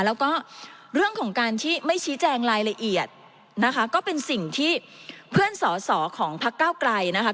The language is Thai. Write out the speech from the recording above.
แล้วก็เรื่องของการที่ไม่ชี้แจงรายละเอียดนะคะก็เป็นสิ่งที่เพื่อนสอสอของพักเก้าไกลนะคะ